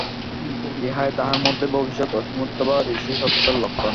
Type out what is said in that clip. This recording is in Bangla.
ইহাই তাহার মধ্যে ভবিষ্যৎ অসীমত্ব বা ঐশী সত্তার লক্ষণ।